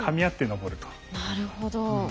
なるほど。